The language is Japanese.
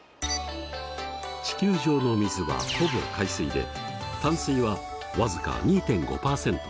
地球上の水はほぼ海水で淡水は僅か２．５％ほど。